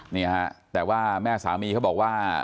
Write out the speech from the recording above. นี่ฮะแต่ว่าแม่สามีเขาบอกว่า